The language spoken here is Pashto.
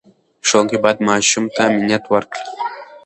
ښوونکي باید ماشوم ته امنیت ورکړي.